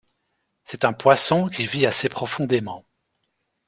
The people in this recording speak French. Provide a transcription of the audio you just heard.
C'est un poisson qui vit assez profondément.